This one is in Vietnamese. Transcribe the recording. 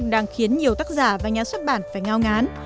đang khiến nhiều tác giả và nhà xuất bản phải ngao ngán